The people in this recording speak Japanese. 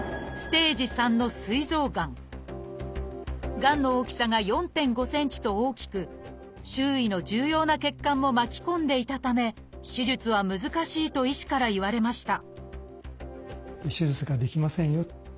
結果はがんの大きさが４．５ｃｍと大きく周囲の重要な血管も巻き込んでいたため手術は難しいと医師から言われました